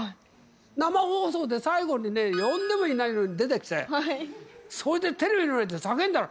生放送で最後に呼んでもいないのに出てきて、それで、テレビに向けて叫んだの。